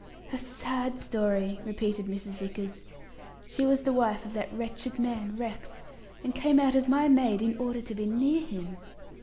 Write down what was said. "A sad story!" repeated Mrs. Vickers. "She was the wife of that wretched man, Rex, and came out as my maid in order to be near him.